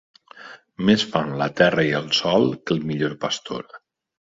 Més fan la terra i el sol que el millor pastor.